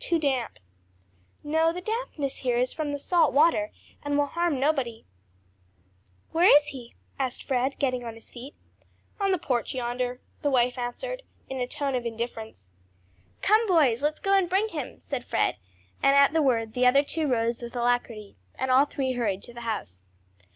"Too damp." "No; the dampness here is from the salt water, and will harm nobody." "Where is he?" asked Fred, getting on his feet. "On the porch yonder," the wife answered, in a tone of indifference. "Come, boys, let's go and bring him!" said Fred, and at the word the other two rose with alacrity, and all three hurried to the house.